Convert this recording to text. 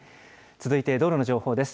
続いて道路の情報です。